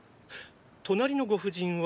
隣のご婦人は？